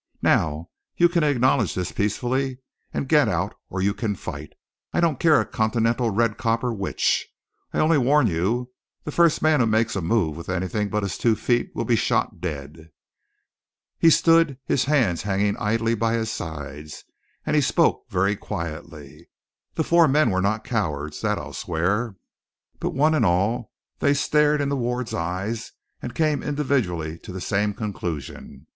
Now you can acknowledge this peacefully and get out, or you can fight. I don't care a continental red copper which. Only I warn you, the first man who makes a move with anything but his two feet will be shot dead." He stood, his hands hanging idly by his sides, and he spoke very quietly. The four men were not cowards, that I'll swear; but one and all they stared into Ward's eyes, and came individually to the same conclusion.